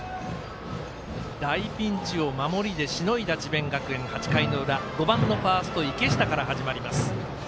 大ピンチを守りでしのいだ８回の裏、５番のファースト池下から始まります。